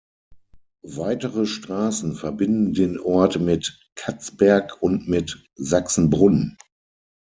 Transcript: Weitere Straßen verbinden den Ort mit Katzberg und mit Sachsenbrunn.